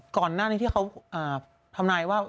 ก่อนหน้านี้ที่เขาทำนายว่า